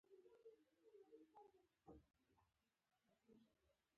ملګری د امید سمبول دی